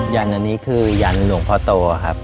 ยันทร์อันนี้คือยันทร์หลวงพ่อโตครับ